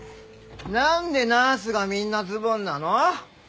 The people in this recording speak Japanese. なんでナースがみんなズボンなの？